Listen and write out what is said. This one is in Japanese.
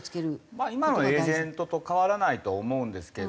今のエージェントと変わらないと思うんですけど。